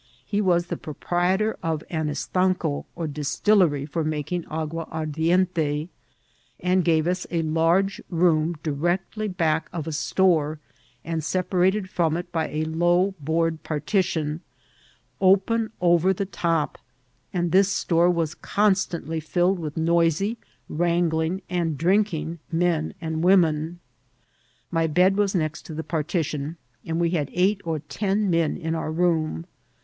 He was the proprietor of an estanco or distillery for making agua ardiente, and gave us a large room directly back of a store, and separated from it by a low board partition open over the top ; and this store was constantly fiUed with noisy, wrangling, and drinking men and women. My bed was next to the partition, and we had eight or teq men in our room.